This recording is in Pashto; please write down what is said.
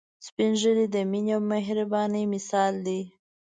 سپین ږیری د مينه او مهربانۍ مثال دي